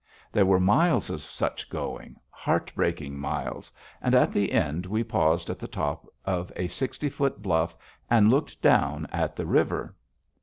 There were miles of such going heart breaking miles and at the end we paused at the top of a sixty foot bluff and looked down at the river.